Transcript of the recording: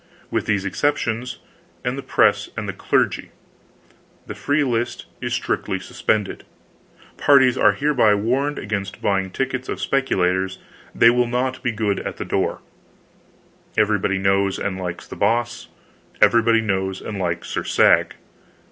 With these exceptions, and the press and the clergy, the free list is strict ly susPended. Parties are hereby warn ed against buying tickets of speculators; they will not be good at the door. Everybody knows and likes The Boss, everybody knows and likes Sir Sag.